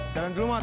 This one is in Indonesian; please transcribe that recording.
jalan dulu mat